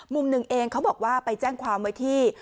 มุมหนึ่งเองเขาบอกว่าไปแจ้งความไว้ที่